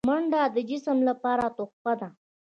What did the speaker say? منډه د جسم لپاره تحفه ده